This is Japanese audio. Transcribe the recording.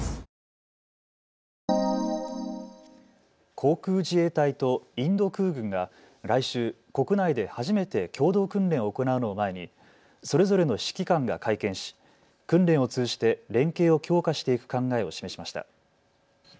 航空自衛隊とインド空軍が来週、国内で初めて共同訓練を行うのを前に、それぞれの指揮官が会見し訓練を通じて連携を強化していく考えを示しました。